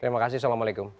terima kasih assalamualaikum